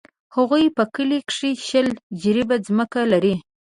هغوی په کلي کښې شل جریبه ځمکه لري.